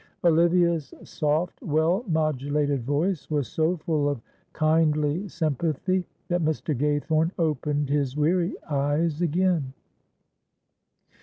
Olivia's soft, well modulated voice was so full of kindly sympathy, that Mr. Gaythorne opened his weary eyes again.